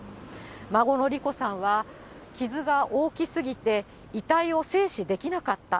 孫の莉子さんは傷が大きすぎて、遺体を正視できなかった。